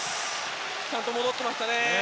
ちゃんと戻ってましたね。